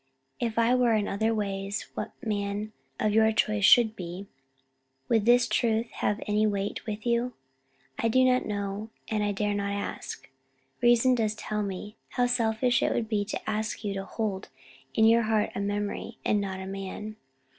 If I were in other ways what the man of your choice should be, would this truth have any weight with you? I do not know and I dare not ask. Reason does tell me how selfish it would be to ask you to hold in your heart a memory and not a man.